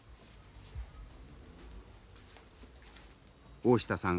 大下さん